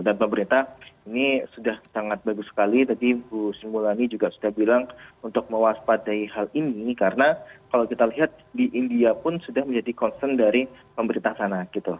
dan pemerintah ini sudah sangat bagus sekali tadi bu simulani juga sudah bilang untuk mewaspadai hal ini karena kalau kita lihat di india pun sudah menjadi konsen dari pemerintah sana gitu